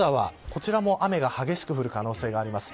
こちらは雨が激しく降る可能性があります。